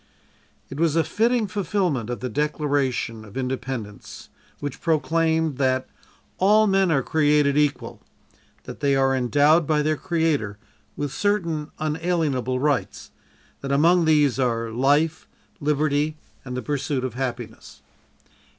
It was a fitting fulfillment of the Declaration of Independence, which proclaimed that: "All men are created equal; that they are endowed by their Creator with certain unalienable rights; that among these are life, liberty and the pursuit of happiness."